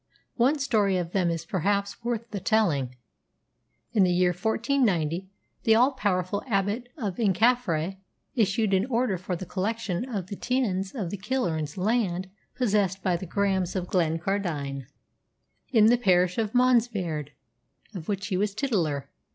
One story of them is perhaps worth the telling. In the year 1490 the all powerful Abbot of Inchaffray issued an order for the collection of the teinds of the Killearns' lands possessed by the Grahams of Glencardine in the parish of Monzievaird, of which he was titular.